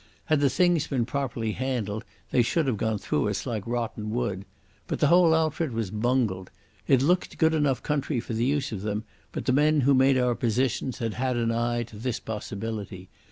Had the things been properly handled they should have gone through us like rotten wood. But the whole outfit was bungled. It looked good enough country for the use of them, but the men who made our position had had an eye to this possibility.